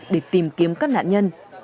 để tìm kiếm các nạn nhân